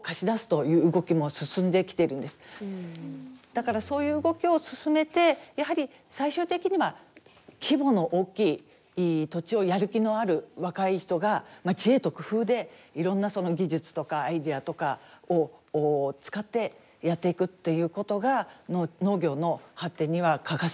だからそういう動きを進めてやはり最終的には規模の大きい土地をやる気のある若い人がまあ知恵と工夫でいろんなその技術とかアイデアとかを使ってやっていくということが農業の発展には欠かせないのかなというふうに思います。